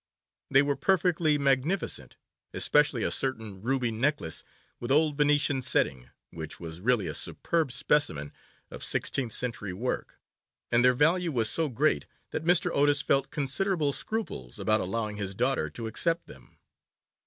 They were perfectly magnificent, especially a certain ruby necklace with old Venetian setting, which was really a superb specimen of sixteenth century work, and their value was so great that Mr. Otis felt considerable scruples about allowing his daughter to accept them.